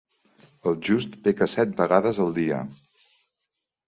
El just peca set vegades el dia.